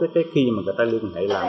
cái khi mà người ta liên hệ làm